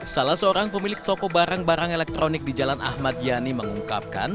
salah seorang pemilik toko barang barang elektronik di jalan ahmad yani mengungkapkan